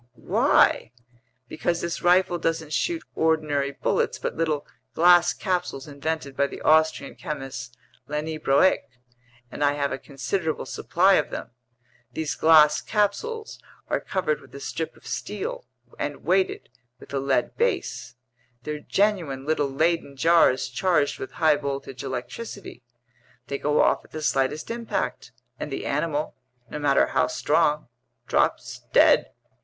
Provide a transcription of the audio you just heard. "Why?" "Because this rifle doesn't shoot ordinary bullets but little glass capsules invented by the Austrian chemist Leniebroek, and I have a considerable supply of them. These glass capsules are covered with a strip of steel and weighted with a lead base; they're genuine little Leyden jars charged with high voltage electricity. They go off at the slightest impact, and the animal, no matter how strong, drops dead.